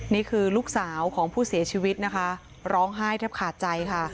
นี่คือลูกสาวของผู้เสียชีวิตนะคะร้องไห้แทบขาดใจค่ะ